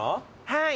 はい。